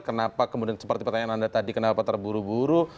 kenapa kemudian seperti pertanyaan anda tadi kenapa terburu buru